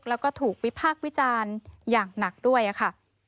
แล้วก็ถูกวิพากษ์วิจารณ์อย่างหนักด้วยค่ะ